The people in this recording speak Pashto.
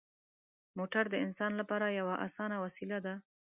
موټر د انسان لپاره یوه اسانه وسیله ده.